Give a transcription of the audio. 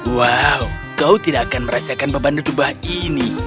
wow kau tidak akan merasakan beban gebah ini